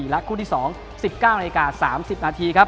และคู่ที่๒๑๙น๓๐นครับ